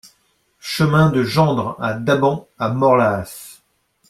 Chemin de Gendre à Daban à Morlaàs